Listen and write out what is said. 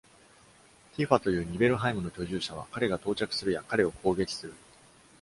Tifa というニベルハイムの居住者は彼が到着するや彼を攻撃する。